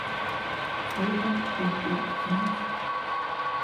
წერდა პუშტუ ენაზე.